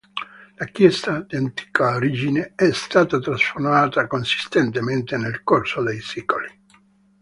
La chiesa, di antica origine, è stata trasformata consistentemente nel corso dei secoli.